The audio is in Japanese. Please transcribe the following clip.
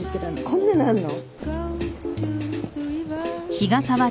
こんなのあんの？